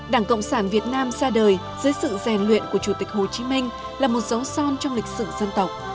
đảng cộng sản việt nam ra đời dưới sự rèn luyện của chủ tịch hồ chí minh là một dấu son trong lịch sử dân tộc